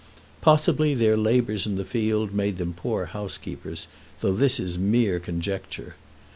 Possibly their labors in the field made them poor house keepers, though this is mere conjecture.